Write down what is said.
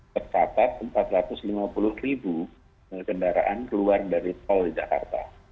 tercatat empat ratus lima puluh ribu kendaraan keluar dari tol di jakarta